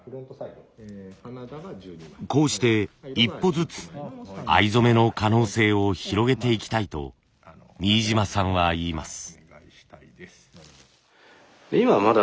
こうして一歩ずつ藍染めの可能性を広げていきたいと新島さんは言います。